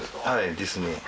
はいですね。